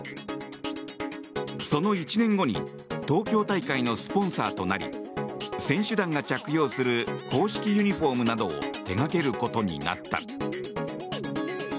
その１年後に東京大会のスポンサーとなり選手団が着用する公式ユニホームなどを手がけることになった。